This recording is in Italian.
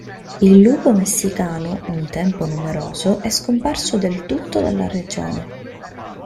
Il lupo messicano, un tempo numeroso, è scomparso del tutto dalla regione.